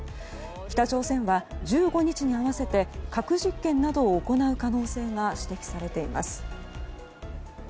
北朝鮮は１５日に合わせて核実験などを行う可能性が指摘されています。